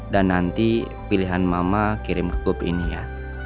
dan nanti pilihan mama kirim ke klub ini ya